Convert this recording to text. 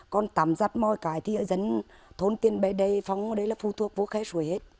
còn tắm giặt mọi cái thì ở dân thôn tiền bệ đầy phong ở đây là phù thuộc vô khai suối hết